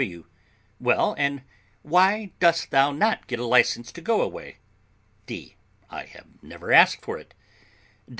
W. Well, and why dost thou not get a license to go away? D. I have never asked for it.